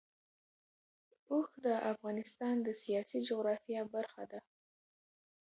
اوښ د افغانستان د سیاسي جغرافیه برخه ده.